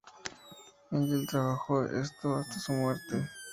Engel trabajó en esto hasta su muerte.